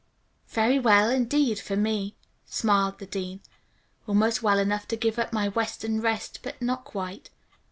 "Very well, indeed, for me," smiled the dean. "Almost well enough to give up my western rest, but not quite.